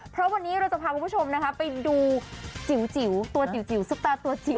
เพราะวันนี้เราจะพาคุณผู้ชมนะคะไปดูจิ๋วตัวจิ๋วซุปตาตัวจิ๋ว